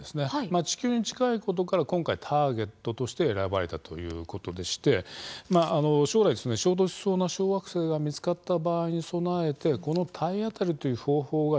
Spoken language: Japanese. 地球に近いというところから今回ターゲットに選ばれたということでして将来衝突しそうな小惑星が見つかったことに踏まえてこの体当たりというものです